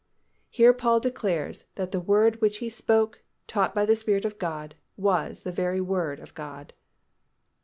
Here Paul declares that the word which he spoke, taught by the Spirit of God, was the very word of God.